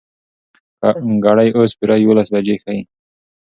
ګړۍ اوس پوره يولس بجې ښيي.